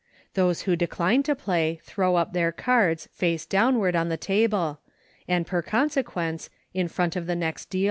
Those who decline to play throw up their cards, face downward, on the table, and per consequence, in front of the next dealer.